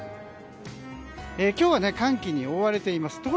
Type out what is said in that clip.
今日は寒気に覆われています。